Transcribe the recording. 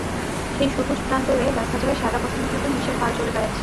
সেই সবুজ প্রান্তরে দেখা যায় সাদা পশমে ঢাকা মেষের পাল চড়ে বেড়াচ্ছে।